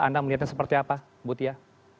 anda melihatnya seperti apa but ya